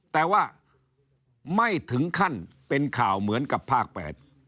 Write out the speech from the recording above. แต่ว่าไม่ถึงขั้นเป็นข่าวเหมือนกับภาคแปด